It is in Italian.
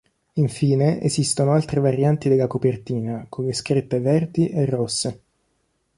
Infine esistono altre varianti della copertina con le scritte verdi e rosse.